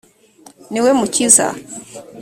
ni we mukiza